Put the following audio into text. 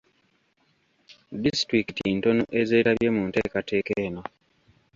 Disitulikiti ntono ez'etabye mu nteekateeka eno.